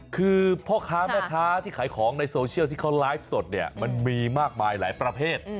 คือพ่อค้าแม่ค้าที่ขายของในโซเชียลที่เขาไลฟ์สดเนี่ยมันมีมากมายหลายประเภท